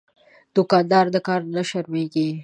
دوکاندار د کار نه شرمېږي.